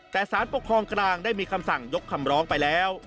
แต่สารปกครองกลางได้มีคำสั่งยกคำร้องไปแล้ว